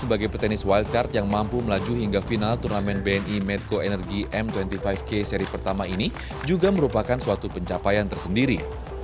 sebagai petenis wilecard yang mampu melaju hingga final turnamen bni medco energy m dua puluh lima k seri pertama ini juga merupakan suatu pencapaian tersendiri